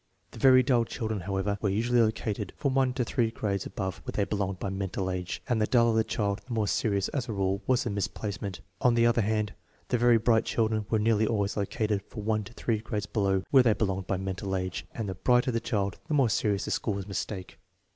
The very dull children, however, were usually located from one to three grades above where they belonged by mental age, and the duller the child the more serious, as a rule, was the misplacement. On the other hand, the very bright children were 'nearly always located from one to three grades below where they belonged by mental age, and the brighter the child the more serious the school's mistake.